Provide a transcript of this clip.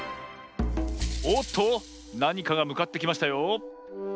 おっとなにかがむかってきましたよ。